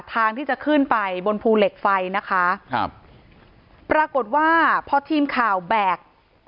ทางที่จะขึ้นไปบนภูเหล็กไฟนะคะครับปรากฏว่าพอทีมข่าวแบก